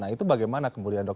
itu bagaimana kemuliaan dok